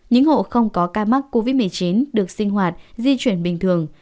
những hộ không có ca mắc covid một mươi chín được sinh hoạt di chuyển bình thường